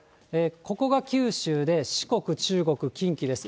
ここが九州で、四国、中国、近畿です。